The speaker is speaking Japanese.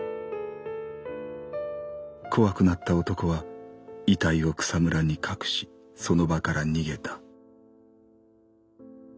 怖くなった男は遺体を草むらに隠しその場から逃げた」。